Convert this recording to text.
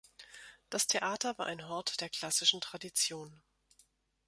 Das Theater war ein Hort der klassischen Tradition.